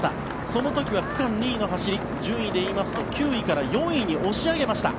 その時は区間２位の走り順位でいいますと９位から４位に押し上げました。